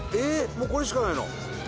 もうこれしかないの？